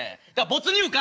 没入感。